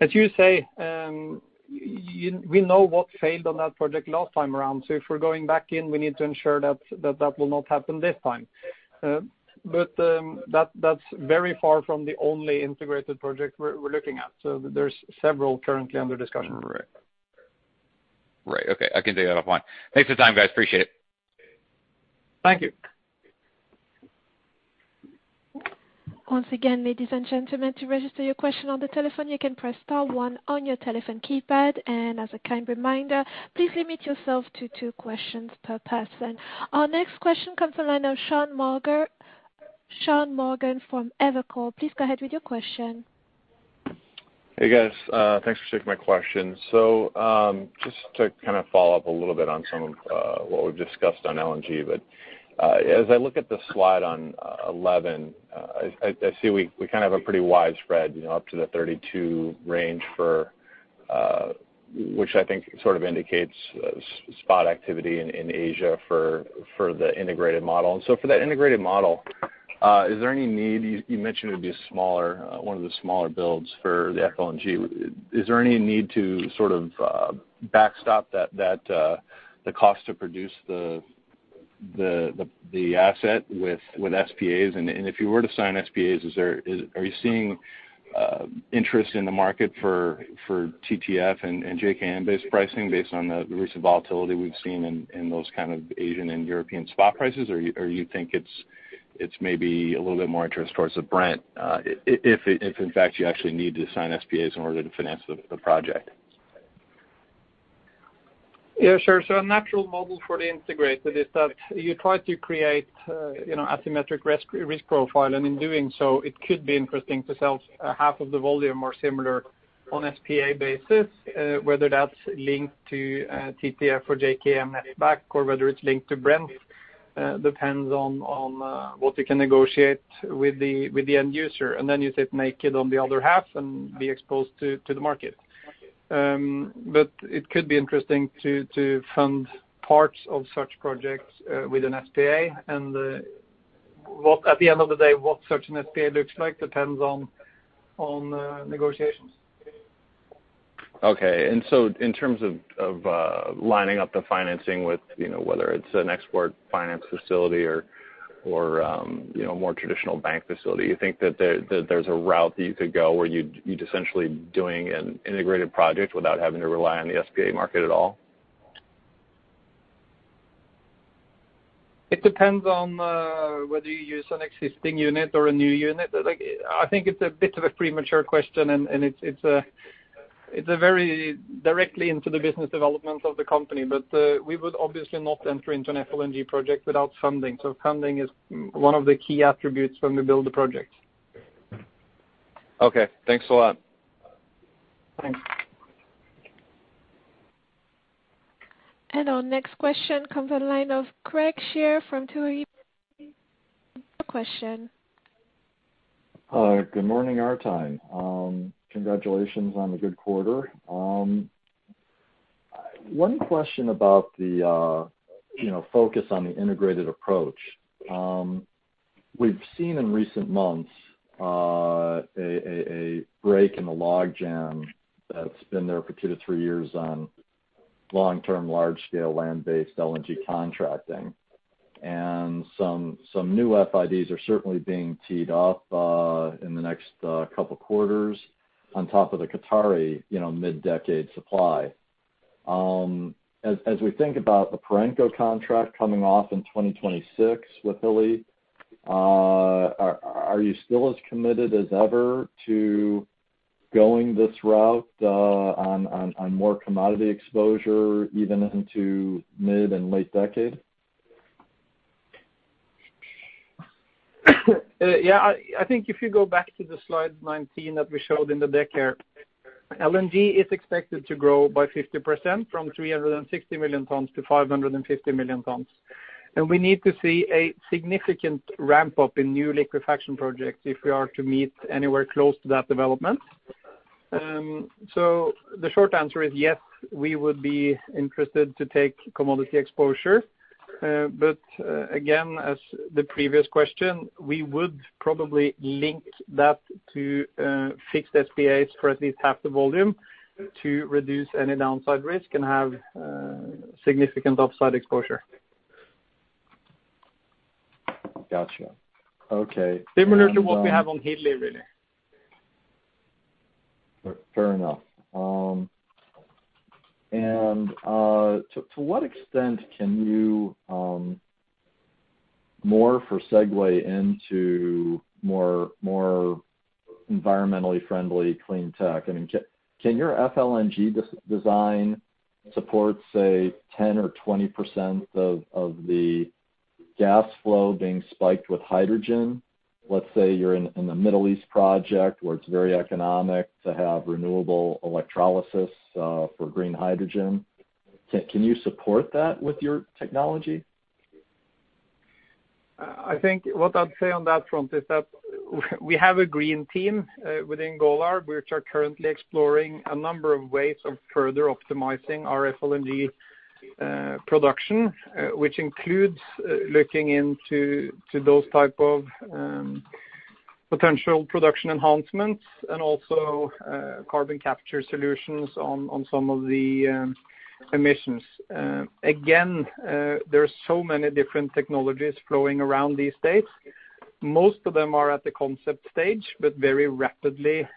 As you say, we know what failed on that project last time around. If we're going back in, we need to ensure that that will not happen this time. That's very far from the only integrated project we're looking at. There's several currently under discussion. Right. Okay, I can take that offline. Thanks for the time, guys. Appreciate it. Thank you. Once again, ladies and gentlemen, to register your question on the telephone, you can press star one on your telephone keypad. As a kind reminder, please limit yourself to two questions per person. Our next question comes from the line of Sean Morgan, Sean Morgan from Evercore. Please go ahead with your question. Hey, guys. Thanks for taking my question. Just to kind of follow up a little bit on some of what we've discussed on LNG. As I look at the slide on 11, I see we kind of have a pretty wide spread, you know, up to the 32 range for which I think sort of indicates spot activity in Asia for the integrated model. For that integrated model, is there any need? You mentioned it would be a smaller one of the smaller builds for the FLNG. Is there any need to sort of backstop that the cost to produce the asset with SPAs? If you were to sign SPAs, are you seeing interest in the market for TTF and JKM-based pricing based on the recent volatility we've seen in those kind of Asian and European spot prices, or you think it's maybe a little bit more interest towards the Brent? If in fact you actually need to sign SPAs in order to finance the project. Yeah, sure. A natural model for the integrated is that you try to create, you know, asymmetric risk-reward profile, and in doing so, it could be interesting to sell half of the volume or similar on SPA basis, whether that's linked to TTF or JKM at the back or whether it's linked to Brent depends on what you can negotiate with the end user. You sit naked on the other half and be exposed to the market. It could be interesting to fund parts of such projects with an SPA. At the end of the day, what such an SPA looks like depends on negotiations. Okay. In terms of lining up the financing with, you know, whether it's an export finance facility or, you know, more traditional bank facility, you think that there's a route that you could go where you'd essentially doing an integrated project without having to rely on the SPA market at all? It depends on whether you use an existing unit or a new unit. Like, I think it's a bit of a premature question, and it's a very directly into the business development of the company. We would obviously not enter into an FLNG project without funding. Funding is one of the key attributes when we build the project. Okay. Thanks a lot. Thanks. Our next question comes from the line of Craig Shere from Tuohy Brothers Investment Research. Hi, good morning our time. Congratulations on the good quarter. One question about the, you know, focus on the integrated approach. We've seen in recent months a break in the log jam that's been there for two to three years on long-term large-scale land-based LNG contracting. Some new FIDs are certainly being teed up in the next couple quarters on top of the Qatari, you know, mid-decade supply. As we think about the Perenco contract coming off in 2026 with Hilli, are you still as committed as ever to going this route on more commodity exposure even into mid and late decade? Yeah. I think if you go back to the slide 19 that we showed in the deck here, LNG is expected to grow by 50% from 360 million tons to 550 million tons. We need to see a significant ramp-up in new liquefaction projects if we are to meet anywhere close to that development. The short answer is yes, we would be interested to take commodity exposure. But again, as the previous question, we would probably link that to fixed SPAs for at least half the volume to reduce any downside risk and have significant upside exposure. Gotcha. Okay. Similar to what we have on Hilli, really. Fair enough. To what extent can you move forward to segue into more environmentally friendly clean tech? I mean, can your FLNG design support, say, 10% or 20% of the gas flow being spiked with hydrogen? Let's say you're in a Middle East project where it's very economic to have renewable electrolysis for green hydrogen. Can you support that with your technology? I think what I'd say on that front is that we have a green team within Golar, which are currently exploring a number of ways of further optimizing our FLNG production, which includes looking into those type of potential production enhancements and also carbon capture solutions on some of the emissions. Again, there are so many different technologies floating around these days. Most of them are at the concept stage, but very rapidly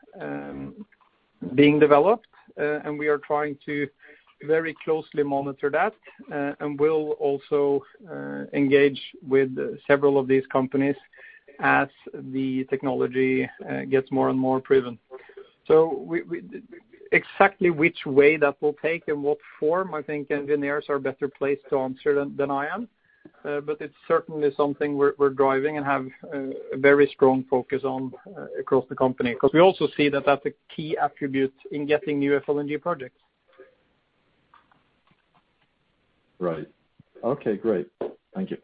being developed. We are trying to very closely monitor that, and we'll also engage with several of these companies as the technology gets more and more proven. Exactly which way that will take and what form, I think engineers are better placed to answer than I am. It's certainly something we're driving and have a very strong focus on across the company. Because we also see that that's a key attribute in getting new FLNG projects. Right. Okay, great. Thank you.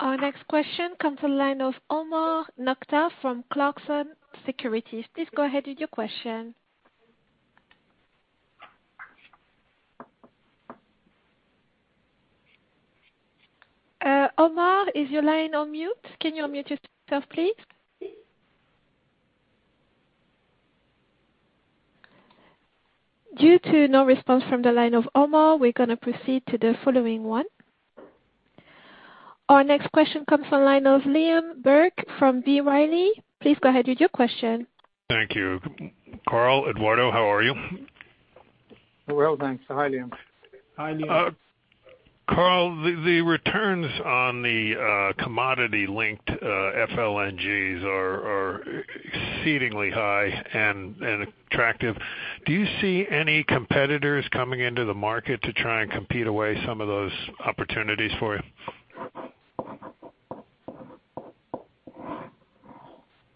Our next question comes from the line of Omar Nokta from Clarksons Securities. Please go ahead with your question. Omar, is your line on mute? Can you unmute yourself, please? Due to no response from the line of Omar, we're gonna proceed to the following one. Our next question comes from the line of Liam Burke from B. Riley. Please go ahead with your question. Thank you. Karl, Eduardo, how are you? We're well, thanks. Hi, Liam. Hi, Liam. Karl, the returns on the commodity linked FLNGs are exceedingly high and attractive. Do you see any competitors coming into the market to try and compete away some of those opportunities for you?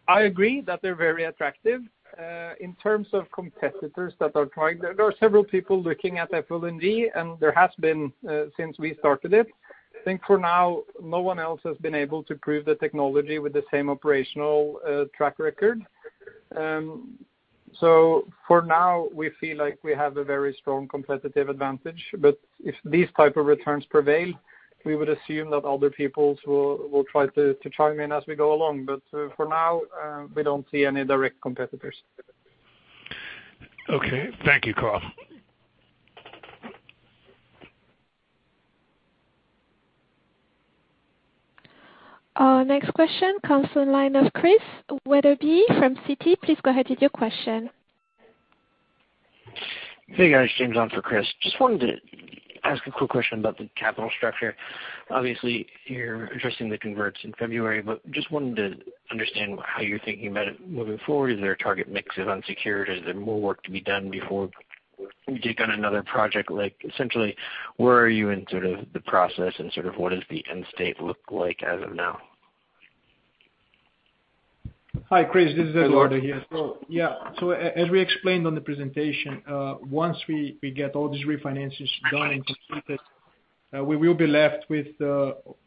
I agree that they're very attractive. In terms of competitors that are trying, there are several people looking at FLNG, and there has been, since we started it. I think for now, no one else has been able to prove the technology with the same operational track record. For now, we feel like we have a very strong competitive advantage. If these type of returns prevail, we would assume that other people will try to chime in as we go along. For now, we don't see any direct competitors. Okay. Thank you, Karl. Next question comes from the line of Chris Wetherbee from Citi. Please go ahead with your question. Hey, guys, James on for Chris. Just wanted to ask a quick question about the capital structure. Obviously, you're addressing the converts in February, but just wanted to understand how you're thinking about it moving forward. Is there a target mix of unsecured? Is there more work to be done before we take on another project? Like, essentially, where are you in sort of the process and sort of what is the end state look like as of now? Hi, Chris. This is Eduardo here. Yeah. As we explained on the presentation, once we get all these refinances done and completed, we will be left with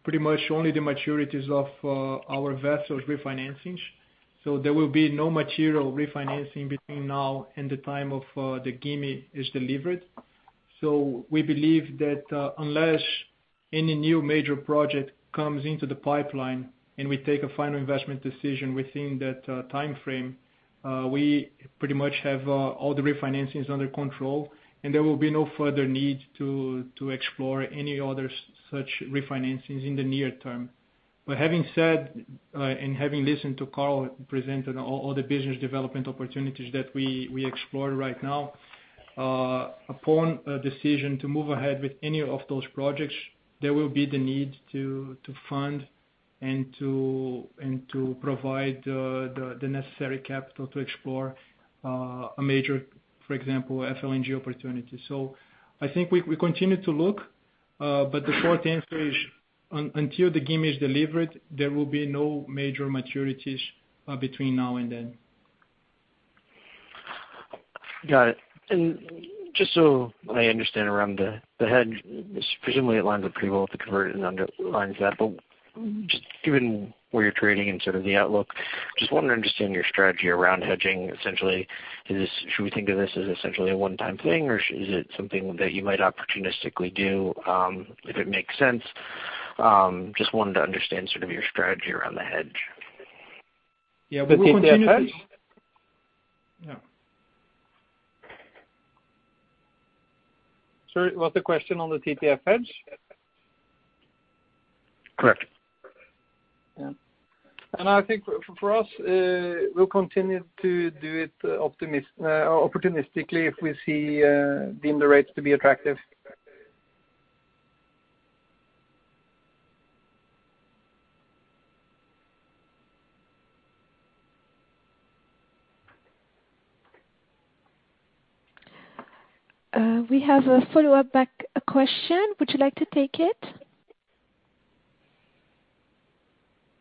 pretty much only the maturities of our vessels refinancings. There will be no material refinancing between now and the time of the Gimi is delivered. We believe that, unless any new major project comes into the pipeline and we take a final investment decision within that timeframe, we pretty much have all the refinancings under control, and there will be no further need to explore any other such refinancings in the near term. Having said and having listened to Karl present on all the business development opportunities that we explore right now, upon a decision to move ahead with any of those projects, there will be the need to fund and to provide the necessary capital to explore a major, for example, FLNG opportunity. I think we continue to look, but the short answer is until the Gimi is delivered, there will be no major maturities between now and then. Got it. Just so I understand around the hedge, presumably it lines up pretty well with the convert and underlines that, but just given where you're trading and sort of the outlook, just wanted to understand your strategy around hedging. Essentially, should we think of this as essentially a one-time thing, or is it something that you might opportunistically do, if it makes sense? Just wanted to understand sort of your strategy around the hedge. Yeah, we'll continue to. The TTF hedge? Yeah. Sorry, was the question on the TTF hedge? Correct. Yeah. I think for us, we'll continue to do it opportunistically if we deem the rates to be attractive. We have a follow-up back question. Would you like to take it?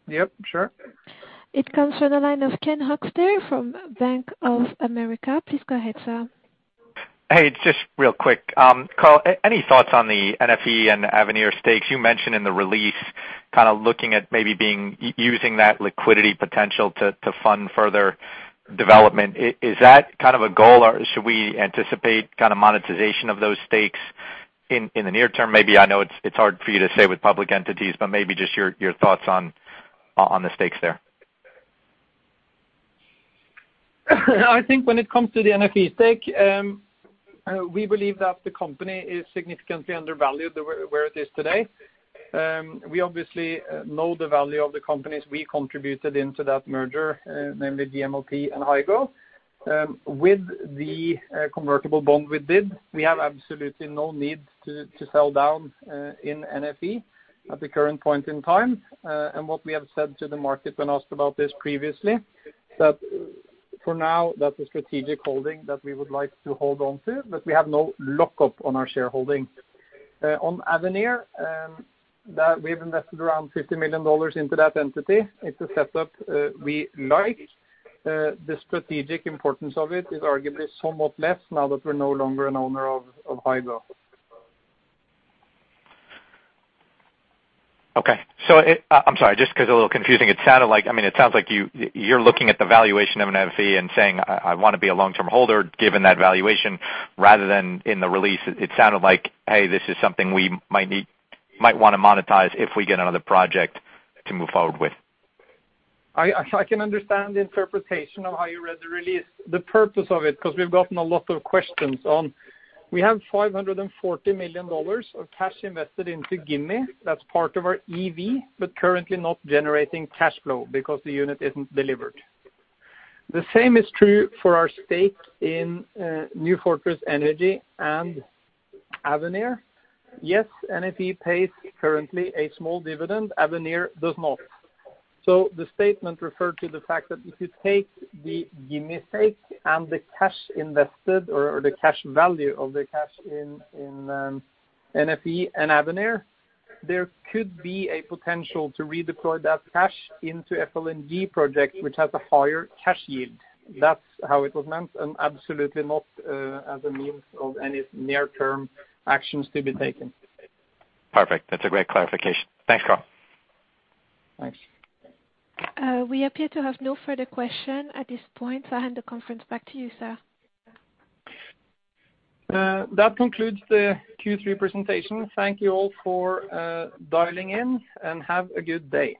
Yep, sure. It comes from the line of Ken Hoexter from Bank of America. Please go ahead, sir. Hey, just real quick. Karl, any thoughts on the NFE and Avenir stakes? You mentioned in the release kind of looking at maybe using that liquidity potential to fund further development. Is that kind of a goal, or should we anticipate kind of monetization of those stakes in the near term? I know it's hard for you to say with public entities, but maybe just your thoughts on the stakes there. I think when it comes to the NFE stake, we believe that the company is significantly undervalued where it is today. We obviously know the value of the companies we contributed into that merger, namely GMLP and Hygo. With the convertible bond we did, we have absolutely no need to sell down in NFE at the current point in time. What we have said to the market when asked about this previously, that for now, that's a strategic holding that we would like to hold on to, but we have no lockup on our shareholding. On Avenir, that we've invested around $50 million into that entity. It's a setup we like. The strategic importance of it is arguably somewhat less now that we're no longer an owner of Hygo. Okay. I'm sorry, just 'cause it's a little confusing. It sounded like I mean, it sounds like you're looking at the valuation of an NFE and saying, "I wanna be a long-term holder given that valuation," rather than in the release, it sounded like, "Hey, this is something we might need, might wanna monetize if we get another project to move forward with. I can understand the interpretation of how you read the release. The purpose of it, 'cause we've gotten a lot of questions on, we have $540 million of cash invested into Gimi. That's part of our EV, but currently not generating cash flow because the unit isn't delivered. The same is true for our stake in New Fortress Energy and Avenir. Yes, NFE pays currently a small dividend. Avenir does not. The statement referred to the fact that if you take the Gimi stake and the cash invested or the cash value of the cash in NFE and Avenir, there could be a potential to redeploy that cash into FLNG project, which has a higher cash yield. That's how it was meant, and absolutely not as a means of any near-term actions to be taken. Perfect. That's a great clarification. Thanks, Karl. Thanks. We appear to have no further question at this point, so I hand the conference back to you, sir. That concludes the Q3 presentation. Thank you all for dialing in, and have a good day.